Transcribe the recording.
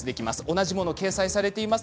同じものが掲載されています。